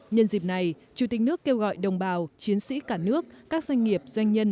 nhân dịp này chủ tịch nước kêu gọi đồng bào chiến sĩ cả nước các doanh nghiệp doanh nhân